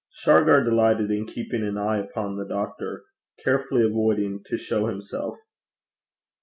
Shargar delighted in keeping an eye upon the doctor, carefully avoiding to show himself.